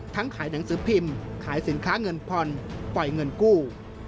ขายหนังสือพิมพ์ขายสินค้าเงินผ่อนปล่อยเงินกู้